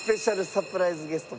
サプライズゲスト？